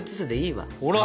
ほら！